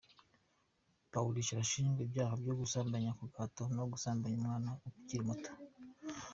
Paulish arashinjwa ibyaha byo gusambanya ku gahato no gusambanya umwana ukiri muto.